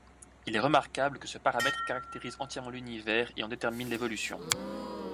Il est remarquable que ce paramètre caractérise entièrement l'univers et en détermine l'évolution.